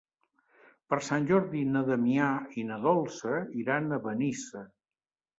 Per Sant Jordi na Damià i na Dolça iran a Benissa.